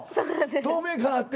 透明感あって。